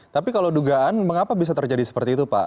tapi kalau dugaan mengapa bisa terjadi seperti itu pak